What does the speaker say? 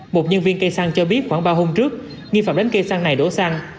một nhân viên cây xăng cho biết khoảng ba hôm trước nghi phạm đến cây xăng này đổ xăng